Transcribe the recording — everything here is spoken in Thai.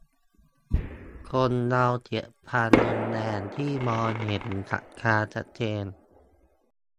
คนเราเกลียดกลัวความรุนแรงที่มองเห็นกับตาชัดเจน